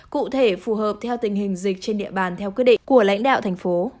cụ thể phù hợp theo tình hình dịch trên địa bàn theo quyết định của lãnh đạo thành phố